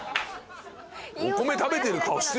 お米食べてる顔して。